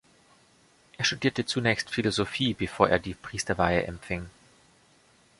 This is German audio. Er studierte zunächst Philosophie, bevor er die Priesterweihe empfing.